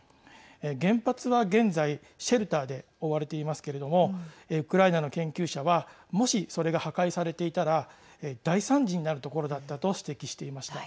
原発は現在、シェルターで覆われていますけれどもウクライナの研究者はもし、それが破壊されていたら大惨事になるところだったと指摘していました。